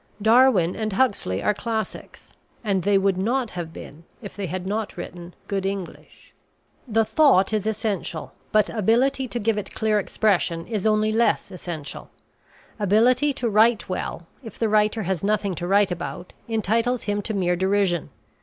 Darwin and Huxley are classics, and they would not have been if they had not written good English. The thought is essential, but ability to give it clear expression is only less essential. Ability to write well, if the writer has nothing to write about, entitles him to mere derision.